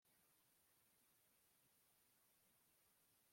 kuvomera ibiti byose umunyu